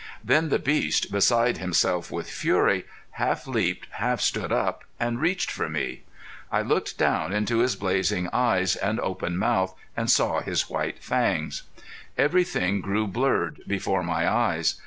Then the beast, beside himself with fury, half leaped, half stood up, and reached for me. I looked down into his blazing eyes, and open mouth and saw his white fangs. Everything grew blurred before my eyes.